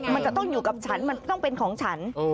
มันจะต้องอยู่กับฉันมันต้องเป็นของฉัน